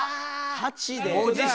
８で。